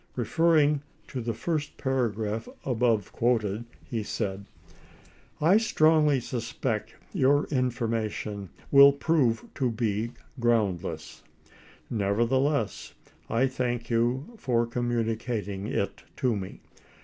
Referring to the first paragraph above quoted, he said : I strongly suspect your information will prove to he groundless; nevertheless, I thank you for communica ting it to me.